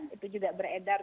itu juga beredar